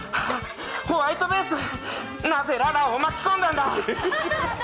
ホワイトベース、なぜララァを巻き込んだんだ！